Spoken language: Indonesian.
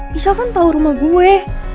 michelle kan tau rumah gue